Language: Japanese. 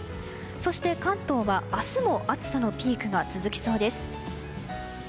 そして、関東は明日も暑さのピークが続きそうです。